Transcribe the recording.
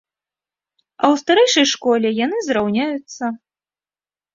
А ў старэйшай школе яны зраўняюцца.